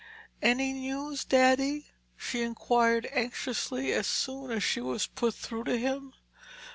"Any news, Daddy?" she inquired anxiously, as soon as she was put through to him.